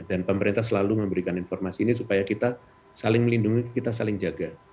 dan pemerintah selalu memberikan informasi ini supaya kita saling melindungi kita saling jaga